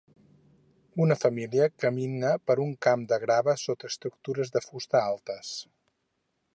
Una família camina per un camp de grava sota estructures de fusta altes.